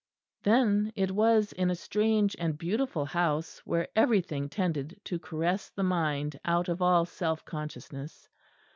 Then it was in a strange and beautiful house where everything tended to caress the mind out of all self consciousness.